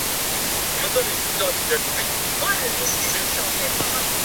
始于中国南北朝。